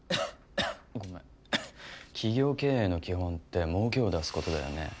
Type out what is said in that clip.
ごめん企業経営の基本って儲けを出すことだよね